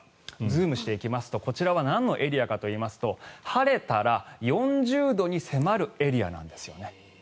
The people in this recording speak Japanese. ズームしていきますとこちらは何のエリアかというと晴れたら４０度に迫るエリアなんですよね。